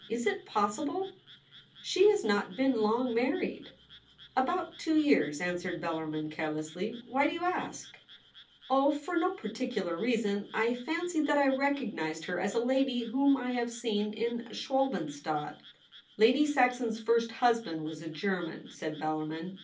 Is it possible ? She has not been long married T 'About two years,' answered Bellarmin care lessly. ' Why do you ask ?'' Oh, for no particular reason. I fancied that I recognised her as a lady whom I have seen in Schwalbenstadt.' ' Lady Saxon's first husband was a German,' said Bellarmin.